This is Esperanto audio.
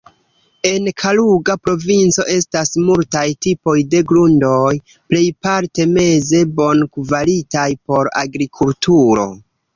En Kaluga provinco estas multaj tipoj de grundoj, plejparte meze bonkvalitaj por agrikulturo.